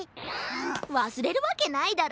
わすれるわけないだろ。